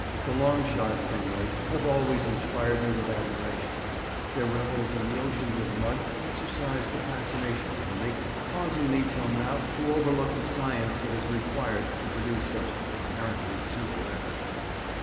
The long shots they make have always inspired me with admiration; their revels in the oceans of mud exercised a fascination over me, causing me till now to overlook the science that is required to produce such apparently simple efforts.